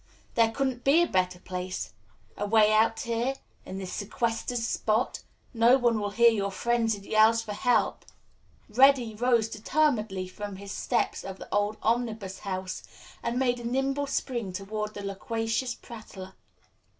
There couldn't be a better place. Away out here in this sequestered spot no one will hear your frenzied yells for help." Reddy rose determinedly from the steps of the old Omnibus House and made a nimble spring toward the loquacious prattler.